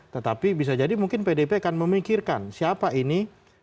tetapi bisa jadi mungkin pdp akan memikirkan siapa ini